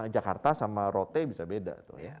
jakarta sama rote bisa beda